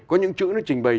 có những chữ nó trình bày